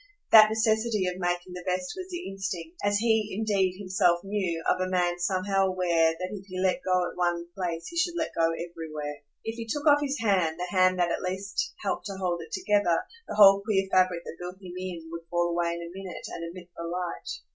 That necessity of making the best was the instinct as he indeed himself knew of a man somehow aware that if he let go at one place he should let go everywhere. If he took off his hand, the hand that at least helped to hold it together, the whole queer fabric that built him in would fall away in a minute and admit the light.